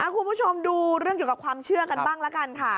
คุณผู้ชมดูเรื่องเกี่ยวกับความเชื่อกันบ้างละกันค่ะ